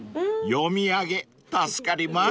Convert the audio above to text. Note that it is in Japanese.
［読み上げ助かります］